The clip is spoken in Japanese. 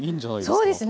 そうですね